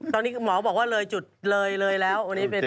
ตอนนี้หมอบอกว่าเลยจุดเลยเลยแล้ว